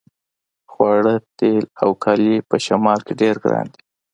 خواړه تیل او کالي په شمال کې ډیر ګران دي